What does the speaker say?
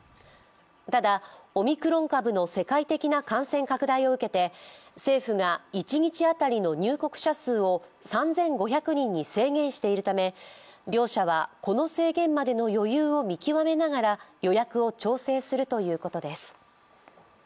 ただオミクロン株の世界的な感染拡大を受けて政府が一日当たりの入国者数を３５００人に制限しているため、両者はこの制限までの余裕を見極めながら予約を調整するということです。